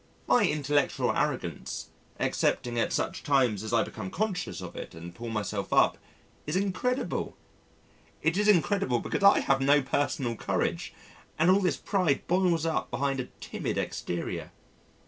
My intellectual arrogance excepting at such times as I become conscious of it and pull myself up is incredible. It is incredible because I have no personal courage and all this pride boils up behind a timid exterior.